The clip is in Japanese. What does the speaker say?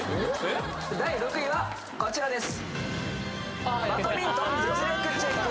第６位はこちらです